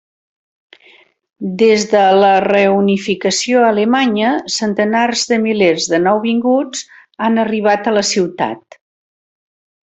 Des de la reunificació alemanya, centenars de milers de nouvinguts han arribat a la ciutat.